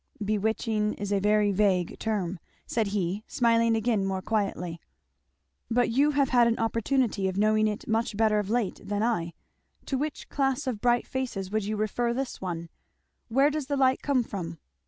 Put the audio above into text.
"Bewitching is a very vague term," said he smiling again more quietly. "But you have had an opportunity of knowing it much better of late than I to which class of bright faces would you refer this one? Where does the light come from?"